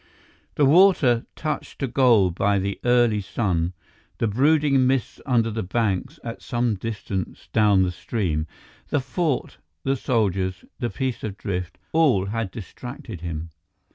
The water, touched to gold by the early sun, the brooding mists under the banks at some distance down the stream, the fort, the soldiers, the piece of drift—all had distracted him.